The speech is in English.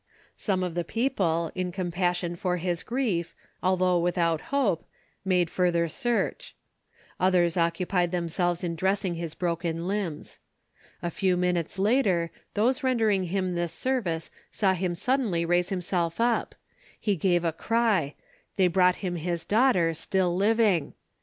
Some of the people, in compassion for his grief, although without hope, made further search; others occupied themselves in dressing his broken limbs. A few minutes later, those rendering him this service saw him suddenly raise himself up he gave a cry they brought him his daughter, still living.